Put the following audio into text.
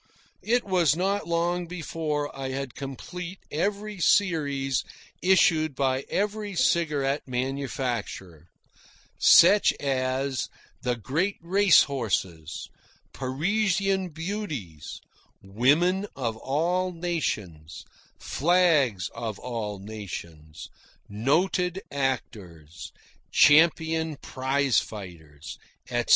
It was not long before I had complete every series issued by every cigarette manufacturer such as the Great Race Horses, Parisian Beauties, Women of All Nations, Flags of All Nations, Noted Actors, Champion Prize Fighters, etc.